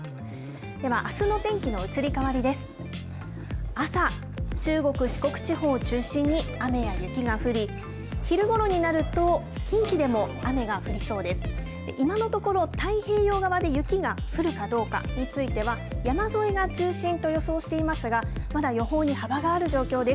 では、あすの天気の移り変わりです。